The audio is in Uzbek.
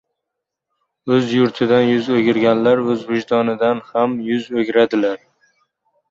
O‘z yurtidan yuz o‘girganlar o‘z vijdonlaridagg ham yuz o‘giradilar.